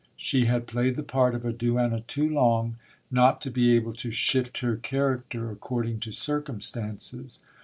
She had pliyed the part of a duenna too long not to be able to shift her character ac cording to circumstances.